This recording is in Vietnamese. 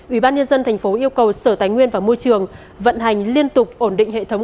ubnd thành phố yêu cầu sở tài nguyên và môi trường vận hành liên tục ổn định hệ thống